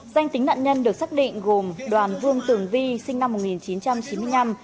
danh tính nạn nhân được xác định gồm đoàn vương tường vi sinh năm một nghìn chín trăm chín mươi năm